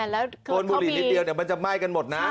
แล้วกล้องบุหรี่นิดเดียวมันจะไหม้กันหมดนะ